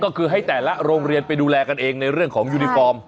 ก็คือให้แต่ละโรงเรียนไปดูแลกันเองในเรื่องของยูนิฟอร์ม